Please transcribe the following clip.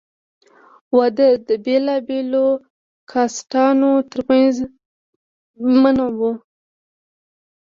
واده د بېلابېلو کاسټانو تر منځ منع وو.